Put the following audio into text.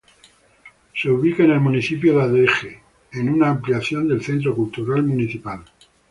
Se ubica en el municipio de Adeje, en una ampliación del centro cultural municipal.